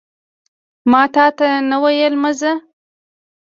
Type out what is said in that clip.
ماتاته نه ویل مه ځه